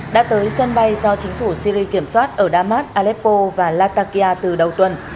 đã tới sân bay do chính phủ syri kiểm soát ở damas aleppo và lattakia từ đầu tuần